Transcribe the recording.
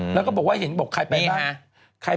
แล้วก็บอกว่าใครไปบ้าน